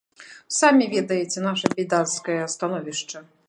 Самі ведаеце наша бядацкае становішча.